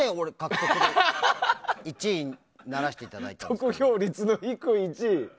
得票率の低い１位。